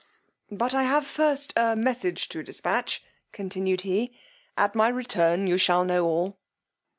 But I have first a message to dispatch, continued he; at my return you shall know all.